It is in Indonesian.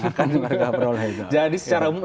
akan mereka perolehkan jadi secara umum